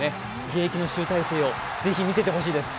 現役の集大成をぜひ見せてほしいです。